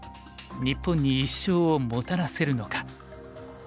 日本に１勝をもたらせるのか。